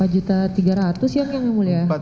empat juta tiga ratus yang mulia